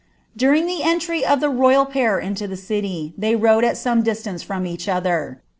During Ihe entry of the royal pair into iha city, ihey rode al some disiance from eacli otlier.